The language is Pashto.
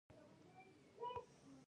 زه د بېوزلو سره مرسته کوم.